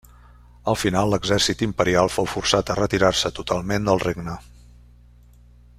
Al final l'exèrcit imperial fou forçat a retirar-se totalment del regne.